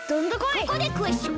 ここでクエスチョン。